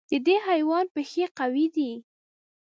د دې حیوان پښې قوي دي.